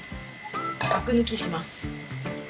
アク抜きします。